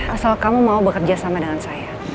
asal kamu mau bekerja sama dengan saya